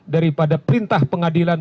daripada perintah pengadilan